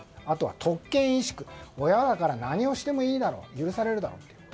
あとは、特権意識親だから何をしてもいいだろう、許されるだろうと。